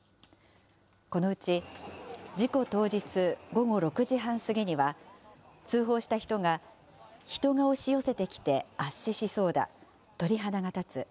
このうち、事故当日午後６時半過ぎには、通報した人が人が押し寄せてきて圧死しそうだ、鳥肌が立つ。